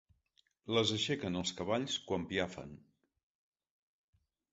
Les aixequen els cavalls quan piafen.